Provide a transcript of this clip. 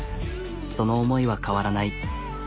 その思いは変わらない。